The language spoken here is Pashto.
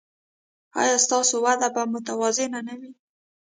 ایا ستاسو وده به متوازنه نه وي؟